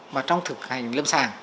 mà trong thực hành lâm sàng